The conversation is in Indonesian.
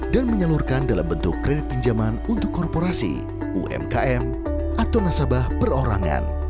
dan menyalurkan dalam bentuk kredit pinjaman untuk korporasi umkm atau nasabah perorangan